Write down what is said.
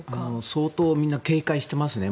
相当みんな警戒していますね。